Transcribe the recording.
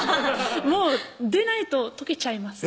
もう出ないと溶けちゃいます